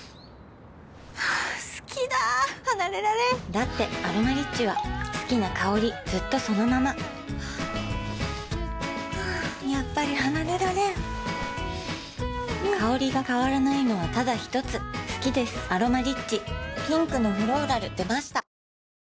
好きだ離れられんだって「アロマリッチ」は好きな香りずっとそのままやっぱり離れられん香りが変わらないのはただひとつ好きです「アロマリッチ」